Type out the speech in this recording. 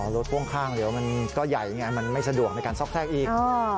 พ่วงข้างเดี๋ยวมันก็ใหญ่ไงมันไม่สะดวกในการซอกแทรกอีก